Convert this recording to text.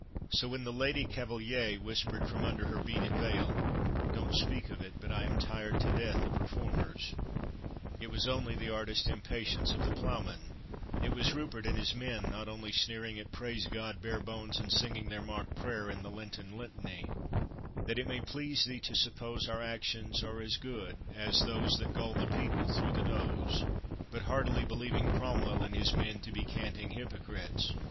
So when the Lady Cavaliere whispered from under her beaded veil, "Don't speak of it, but I am tired to death of reformers," it was only the artist's impatience of the ploughman; it was Rupert and his men not only sneering at Praise God Bare bones, and singing their mock prayer in the Lenten litany, "That it may please thee to suppose Our actions are as good as those That gull the people through the nose," but heartily believing Cromwell and his men to be canting hypocrites.